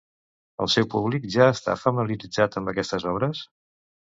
El seu públic ja està familiaritzat amb aquestes obres?